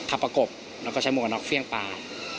ทัพปะกบแล้วก็ใช้มุกกับน็อกเฟี่ยงปลา